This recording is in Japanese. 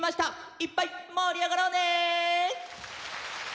いっぱいもりあがろうね！